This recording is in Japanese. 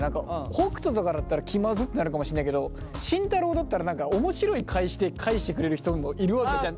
北斗とかだったら「気まず」ってなるかもしんないけど慎太郎だったら何か面白い返しで返してくれる人もいるわけじゃない。